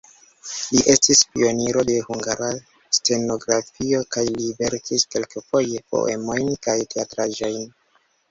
Li estis pioniro de hungara stenografio kaj li verkis kelkfoje poemojn kaj teatraĵojn.